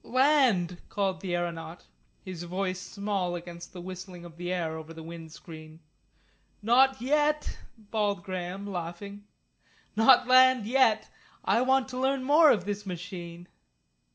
"Land," called the aeronaut, his voice small against the whistling of the air over the wind screen. "Not yet," bawled Graham, laughing. "Not land yet. I want to learn more of this machine."